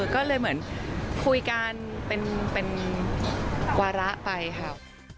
ก็เลยเหมือนคุยกันเป็นวาระไปค่ะ